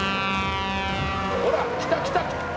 「ほら来た来た！」